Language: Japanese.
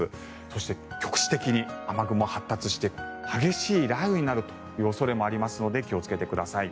そして、局地的に雨雲が発達して激しい雷雨になる恐れもありますので気をつけてください。